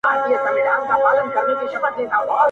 o پاړوگر د مار له لاسه مري!